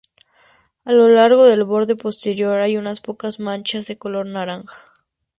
A lo largo del borde posterior hay unas pocas manchas de color naranja.